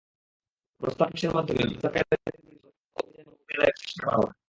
প্রস্তাবটি পাসের মাধ্যমে পাচারকারীদের বিরুদ্ধে সামরিক অভিযানের অনুমতি আদায়ের চেষ্টা করা হবে।